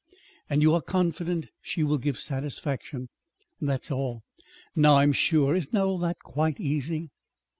and you are confident she will give satisfaction. That's all. Now, I'm sure isn't all that quite easy?"